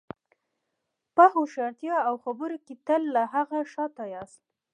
په هوښیارتیا او خبرو کې تل له هغه شاته یاست.